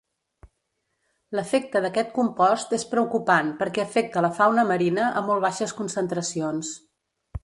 L'efecte d'aquest compost és preocupant perquè afecta la fauna marina a molt baixes concentracions.